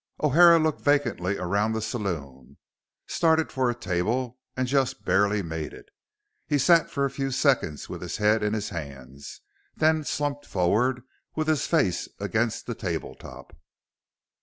O'Hara looked vacantly around the saloon, started for a table, and just barely made it. He sat for a few seconds with his head in his hands, then slumped forward with his face against the tabletop.